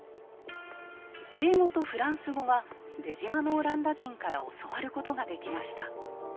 英語とフランス語は出島のオランダ人から教わることができました。